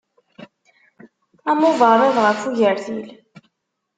Am uberriḍ ɣef ugertil.